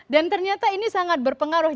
dan ternyata ini sangat berpengaruh